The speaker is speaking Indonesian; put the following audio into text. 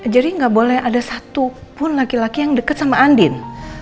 jadi gak boleh ada satupun laki laki yang deket sama andin